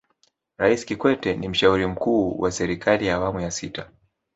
raisi kikwete ni mshauri mkuu wa serikali ya awamu ya sita